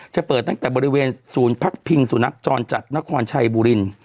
จะเปิดตั้งแต่บริเวณศูนย์พักพิงสุนัขจรจัดนครชัยบุรี